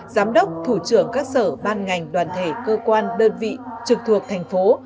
giám đốc thủ trưởng các sở ban ngành đoàn thể cơ quan đơn vị trực thuộc thành phố